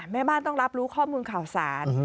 แม่บ้านต้องรับรู้ข้อมูลข่าวสาร